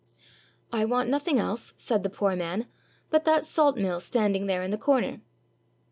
"I want nothing else," said the poor man, "but that salt mill standing there in the corner."